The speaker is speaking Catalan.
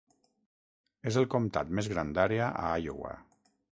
És el comtat més gran d'àrea a Iowa.